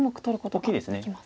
大きいです。